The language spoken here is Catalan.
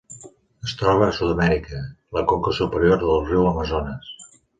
Es troba a Sud-amèrica: la conca superior del riu Amazones.